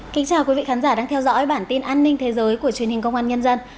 chào mừng quý vị đến với bản tin an ninh thế giới của truyền hình công an nhân dân